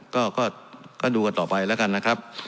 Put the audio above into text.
ก็ดูกันต่อไปแล้วกันนะครับ